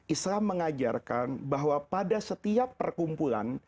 islam mengajarkan bahwa pada setiap perkumpulan